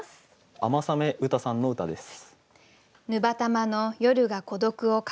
雨雨雨汰さんの歌です。